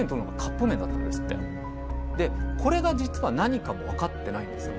これが実は何かもわかってないんですよ